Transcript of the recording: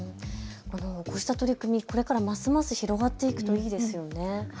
こうした取り組みこれからますます広がっていくといいですよね。